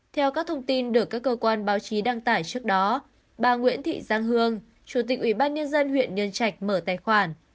theo các thông tin được các cơ quan báo chí đăng tải trước đó bà nguyễn thị giang hương chủ tịch ủy ban nhân dân huyện nhân trạch mở tài khoản